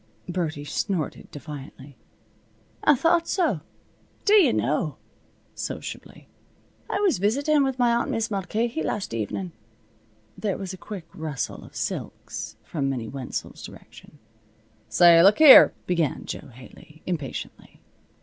Birdie snorted defiantly. "I thought so. D'ye know," sociably, "I was visitin' with my aunt Mis' Mulcahy last evenin'." There was a quick rustle of silks from Minnie Wenzel's direction. "Say, look here " began Jo Haley, impatiently.